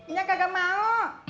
nyak kagak mau